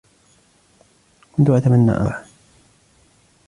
كُنتُ أتمنى أن تتطوّع.